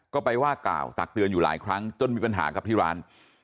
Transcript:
ก็ไปว่ากล่าวตักเตือนอยู่หลายครั้งจนมีปัญหากับที่ร้าน